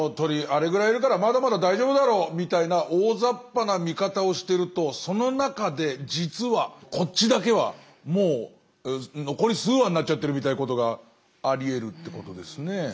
あれぐらいいるからまだまだ大丈夫だろうみたいな大ざっぱな見方をしてるとその中で実はこっちだけはもう残り数羽になっちゃってるみたいなことがありえるってことですね。